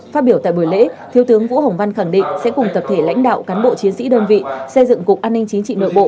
phát biểu tại buổi lễ thiếu tướng vũ hồng văn khẳng định sẽ cùng tập thể lãnh đạo cán bộ chiến sĩ đơn vị xây dựng cục an ninh chính trị nội bộ